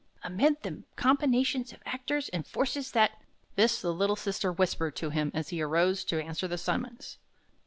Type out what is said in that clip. "'Amid the combinations of actors and forces that '" This the little sister whispered to him as he arose to answer the summons.